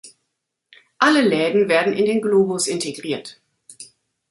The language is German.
Alle Läden werden in den Globus integriert.